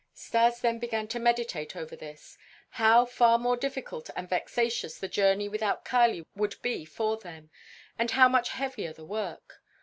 Stas then began to meditate over this; how far more difficult and vexatious the journey without Kali would be for them, and how much heavier the work.